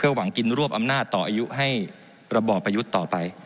หวังกินรวบอำนาจต่ออายุให้ระบอบประยุทธ์ต่อไป